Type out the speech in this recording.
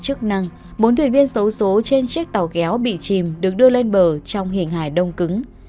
chức năng bốn thuyền viên xấu xố trên chiếc tàu kéo bị chìm được đưa lên bờ trong hình hài đông cứng